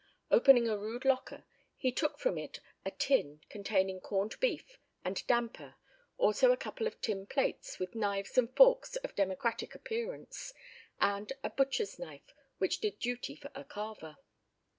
Opening a rude locker, he took from it a tin dish containing corned beef and "damper," also a couple of tin plates with knives and forks of democratic appearance, and a butcher's knife which did duty for a carver.